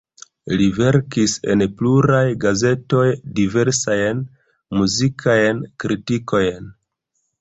Li verkis en pluraj gazetoj diversajn muzikajn kritikojn.